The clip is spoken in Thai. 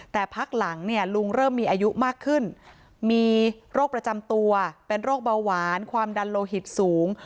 แต่พักหลังเนี่ยลุงเริ่มมีอายุมากขึ้นมีโรคประจำตัวเป็นโรคเบาหวานความดันโลหิตสูง